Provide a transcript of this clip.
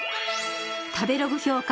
食べログ評価